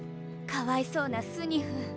かわいそうなスニフ。